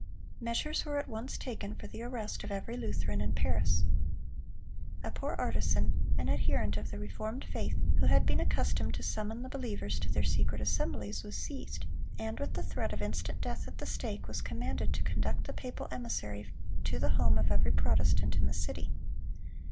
Measures were at once taken for the arrest of every Lutheran in Paris. A poor artisan, an adherent of the reformed faith, who had been accustomed to summon the believers to their secret assemblies, was seized, and with the threat of instant death at the stake, was commanded to conduct the papal emissary to the home of every Protestant in the city.